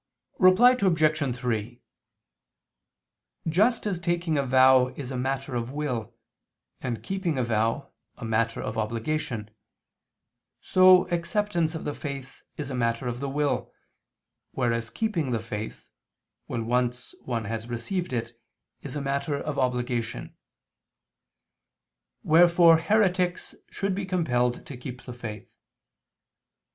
Reply Obj. 3: Just as taking a vow is a matter of will, and keeping a vow, a matter of obligation, so acceptance of the faith is a matter of the will, whereas keeping the faith, when once one has received it, is a matter of obligation. Wherefore heretics should be compelled to keep the faith.